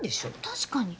確かに。